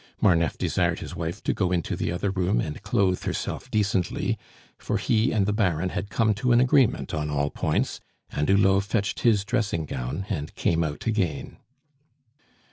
Marneffe desired his wife to go into the other room and clothe herself decently, for he and the Baron had come to an agreement on all points, and Hulot fetched his dressing gown and came out again.